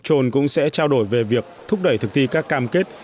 troll cũng sẽ trao đổi về việc thúc đẩy thực thi các cam kết